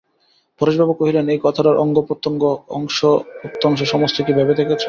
পরেশবাবু কহিলেন, এ কথাটার অঙ্গপ্রত্যঙ্গ অংশ-প্রত্যংশ সমস্তই কি ভেবে দেখেছ?